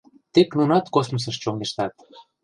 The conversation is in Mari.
Тек нунат космосыш чоҥештат.